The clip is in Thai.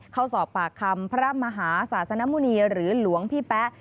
เข้าสอบปากคำพระมหาศาสนมุณีหรือหลวงพี่แป๊ะ